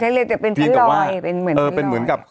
เรียกแต่เป็นที่ลอยเป็นเหมือนเออเป็นเหมือนกับ